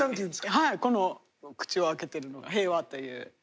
はいこの口を開けてるのが平和という女の子で。